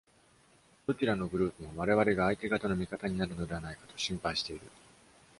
どちらのグループも、我々が相手方の味方になるのではないかと心配している。